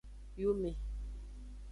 Yume.